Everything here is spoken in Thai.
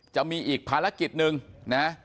จะมีอีกภารกิจหนึ่งนะ